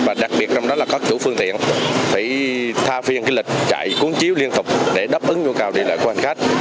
và đặc biệt trong đó là các chủ phương tiện phải tha phiền cái lịch chạy cuốn chiếu liên tục để đáp ứng nhu cầu đi lại của hành khách